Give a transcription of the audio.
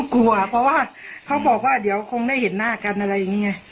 กลัวเพราะว่าเขาบอกว่าเดี๋ยวคงได้เห็นหน้ากันอะไรอย่างนี้ไง